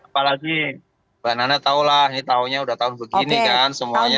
apalagi mbak nana tahulah ini tahunnya udah tahun begini kan semuanya